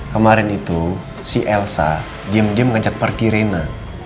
kemarin itu si elsa diam diam ngajak pergi rina